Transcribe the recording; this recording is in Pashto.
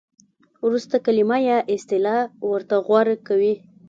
ورسته کلمه یا اصطلاح ورته غوره کوي.